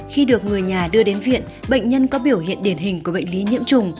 khi được người nhà đưa đến viện bệnh nhân có biểu hiện điển hình của bệnh lý nhiễm trùng